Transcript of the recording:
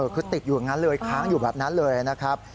คือติดอยู่อย่างนั้นเลยค้างอยู่แบบนั้นเลยนะครับ